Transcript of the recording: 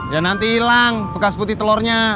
ya nanti hilang bekas putih telurnya